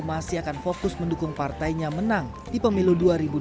masih akan fokus mendukung partainya menang di pemilu dua ribu dua puluh